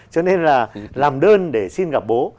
cho nên là làm đơn để xin gặp bố